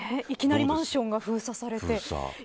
いきなりマンションが封鎖されて。